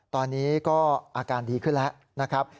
ตอนนี้ก็อาการดีขึ้นแล้วนะครับ